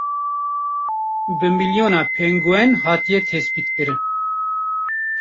Bi milyona pengûen hatiye tespîtkirin.